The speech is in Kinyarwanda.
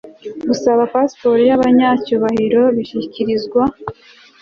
gusaba pasiporo y abanyacyubahiro bishyikirizwa